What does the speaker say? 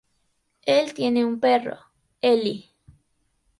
Él tiene un perro, Ellie.